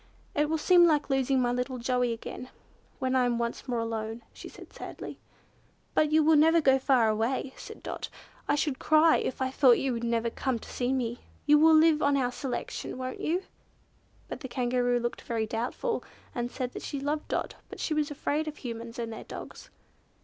"It will seem like losing my little Joey again, when I am once more alone," she said sadly. "But you will never go far away," said Dot. "I should cry, if I thought you would never come to see me. You will live on our selection, won't you?" But the Kangaroo looked very doubtful, and said that she loved Dot, but she was afraid of Humans and their dogs.